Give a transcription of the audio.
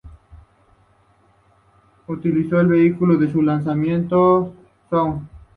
Utilizó un vehículo de lanzamiento Soyuz.